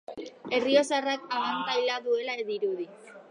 Errioxarrak abantaila duela dirudi.